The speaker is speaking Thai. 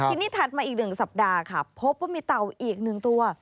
ทีนี้ถัดมาอีก๑สัปดาห์ค่ะพบว่ามีเต่าอีก๑ตัว